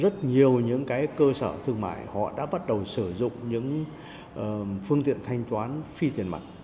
rất nhiều những cái cơ sở thương mại họ đã bắt đầu sử dụng những phương tiện thanh toán phi tiền mặt